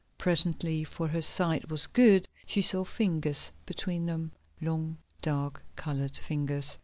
Presently, for her sight was good, she saw fingers between them—long, dark coloured fingers.